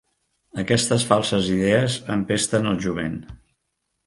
Aquestes falses idees empesten el jovent!